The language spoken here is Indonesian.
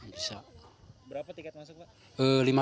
berapa tiket masuk pak